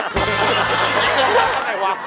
กลัวเงาะเท่าไหร่วะ